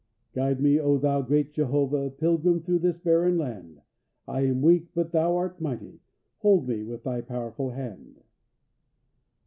"Guide me, O Thou great Jehovah, Pilgrim through this barren land! I am weak, but Thou art mighty: Hold me with Thy powerful hand."